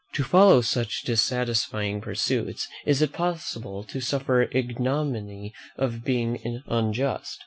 To follow such dissatisfying pursuits is it possible to suffer the ignominy of being unjust?